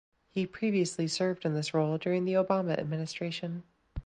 He previously served in this role during the Obama administration.